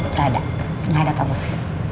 nggak ada nggak ada pak bos